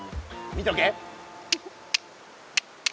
見とけ。